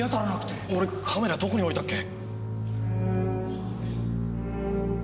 俺カメラどこに置いたっけ？